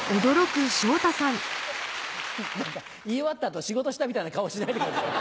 何か言い終わった後仕事したみたいな顔しないでくださいよ。